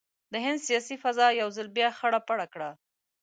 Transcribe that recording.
د هند سیاسي فضا یو ځل بیا خړه پړه کړه.